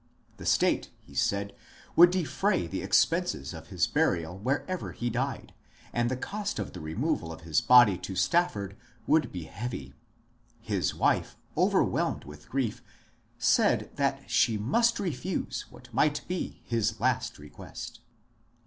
The State, he said, would defray the expenses of his burial wherever he died, and the cost of the removal of his body to Stafford would be heavy. His wife, overwhelmed with grief, said that she must refuse what might be his last request.